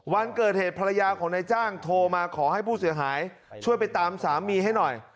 วันเกิดเหตุภรรยาของนายจ้างโทรมาขอให้ผู้เสียหายช่วยไปตามสามีให้หน่อย